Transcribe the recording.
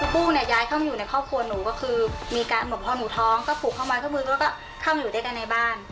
พุ่งย้ายเข้ามอยู่ในครอบครัวหนูก็คือมีการเหมือนกระหมดความหนูท้องก็ผูกเข้ามกับเมืองแล้วก็เข้ามาอยู่ด้วยกันในบ้าน